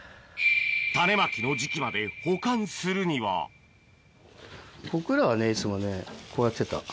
種まきの時期まで僕らはねいつもねこうやってた。